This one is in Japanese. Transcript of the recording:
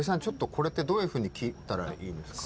これってどういうふうに切ったらいいですか？